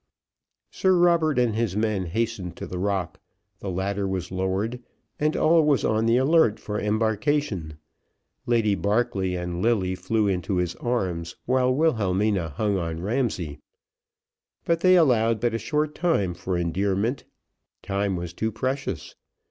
Sir Robert and his men hastened to the rock the ladder was lowered, and all was on the alert for embarkation Lady Barclay and Lilly flew into his arms, while Wilhelmina hung on Ramsay; but they allowed but a short time for endearment time was too precious.